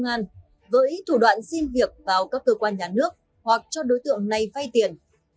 công an với thủ đoạn xin việc vào các cơ quan nhà nước hoặc cho đối tượng này vay tiền